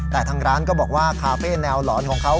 แต่ทางร้านก็บอกว่าคาเฟ่แนวหลอนของเขา